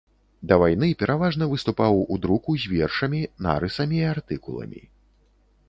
Да вайны пераважна выступаў у друку з вершамі, нарысамі і артыкуламі.